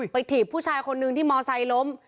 ไปถีบผู้ชายคนนึงที่มอเตอร์ไซล้ม